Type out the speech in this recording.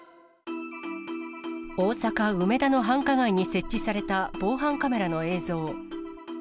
大阪・梅田の繁華街に設置された防犯カメラの映像。